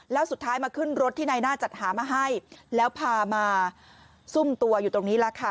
แล้วสุดท้ายมาขึ้นรถที่นายหน้าจัดหามาให้แล้วพามาซุ่มตัวอยู่ตรงนี้แหละค่ะ